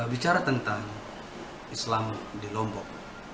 bicara tentang islam di lombok